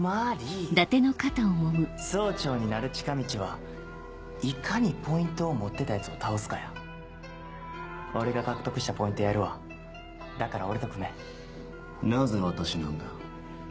総長になる近道はいかにポイントを持ってたヤツを倒すかや俺が獲得したポイントをやるわだから俺と組めなぜ私なんだ？